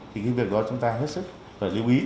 thì cái việc đó chúng ta hết sức phải lưu ý